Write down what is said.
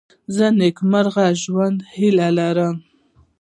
زه د نېکمرغه ژوند هیله لرم.